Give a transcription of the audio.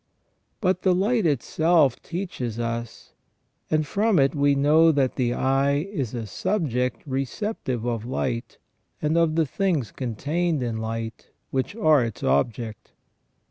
But the light itself teaches us, and from it we know that the eye is a subject receptive of light, and of the things contained in light, which are its object.